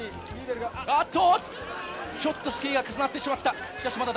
おっと、ちょっとスキーが重なってしまった。